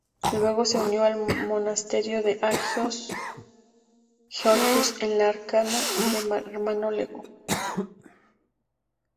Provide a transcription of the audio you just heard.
Luego se unió al monasterio de Agios Georgios en Larnaca como hermano lego.